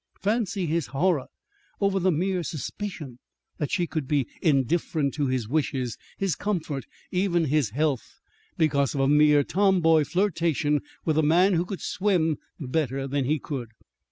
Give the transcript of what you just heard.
Fancy his horror over the mere suspicion that she could be indifferent to his wishes his comfort even his health, because of a mere tomboy flirtation with a man who could swim better than he could!